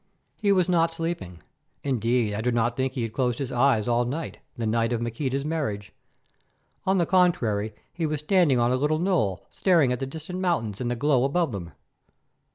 He was not sleeping; indeed, I do not think he had closed his eyes all night, the night of Maqueda's marriage. On the contrary, he was standing on a little knoll staring at the distant mountains and the glow above them.